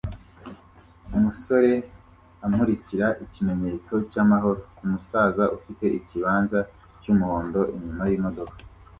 Umusore amurikira ikimenyetso cyamahoro kumusaza ufite ikibanza cyumuhondo inyuma yimodoka